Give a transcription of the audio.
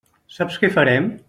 Saps què farem?